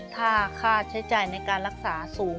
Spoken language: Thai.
ถ้าค่าใช้จ่ายในการรักษาสูง